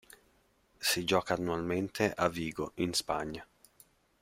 Si gioca annualmente a Vigo in Spagna.